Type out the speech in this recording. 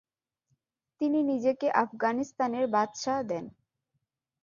তিনি নিজেকে আফগানিস্তানের বাদশাহ দেন।